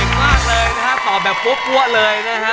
เก่งมากเลยนะครับตอบแบบปุ๊บปั่วเลยนะฮะ